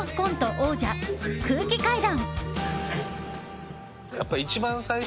王者空気階段。